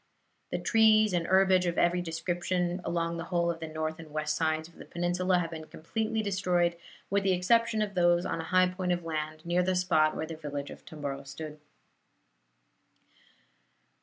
The trees and herbage of every description, along the whole of the north and west sides of the peninsula, have been completely destroyed, with the exception of those on a high point of land, near the spot where the village of Tomboro stood."